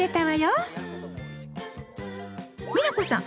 美奈子さん！